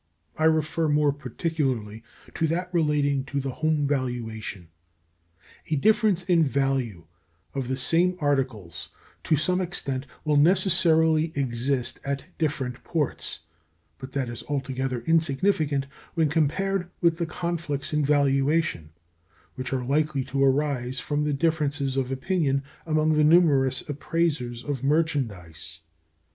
I refer more particularly to that relating to the home valuation. A difference in value of the same articles to some extent will necessarily exist at different ports, but that is altogether insignificant when compared with the conflicts in valuation which are likely to arise from the differences of opinion among the numerous appraisers of merchandise.